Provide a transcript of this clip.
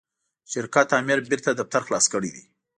شرکت آمر بیرته دفتر خلاص کړی دی.